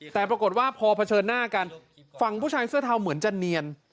แต่ปรากฏว่าพอเผชิญหน้ากันฝั่งผู้ชายเสื้อเทาเหมือนจะเนียน